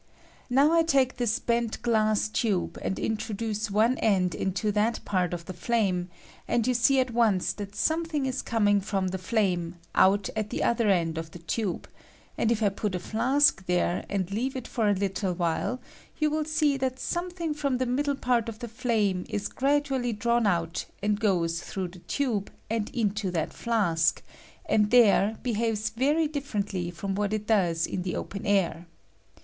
41 Now I take this bent glass tube, and intro 'dnee one end into that part of the flame, and m see at once that something is coming from le flame, out at the other end of the tabe ; and if I put a flask there, and leave it for a little while, jou will see that something from the middle part of the flame is gradually drawn out, and goes through the tube, and into that flask, and there behaves very differently from what it doea in the open air.